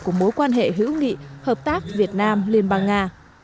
của mối quan hệ hữu nghị hợp tác việt nam liên bang nga